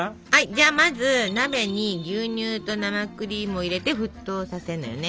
じゃまず鍋に牛乳と生クリームを入れて沸騰させるのよね。